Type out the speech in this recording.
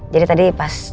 jadi tadi pas